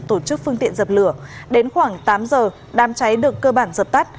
tổ chức phương tiện dập lửa đến khoảng tám giờ đám cháy được cơ bản dập tắt